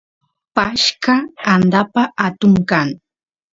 pashqa andapa atun kan